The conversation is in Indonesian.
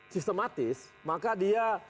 sistematis maka dia